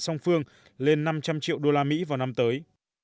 song phương lên năm trăm linh triệu đô la mỹ vào năm tới